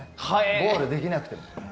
ゴールできなくても。